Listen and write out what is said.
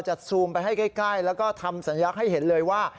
ซูมไปให้ใกล้แล้วก็ทำสัญลักษณ์ให้เห็นเลยว่า